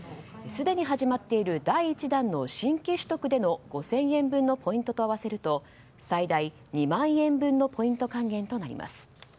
すでに始まっている第１弾の新規取得での５０００円分のポイントと合わせると最大２万円分のポイント還元となります。